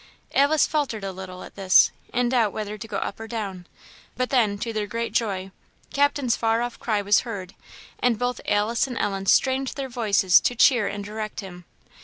Alice faltered a little at this, in doubt whether to go up or down; but then, to their great joy, Captain's far off cry was heard, and both Alice and Ellen strained their voices to cheer and direct him.